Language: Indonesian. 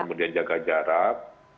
kemudian jaga jarak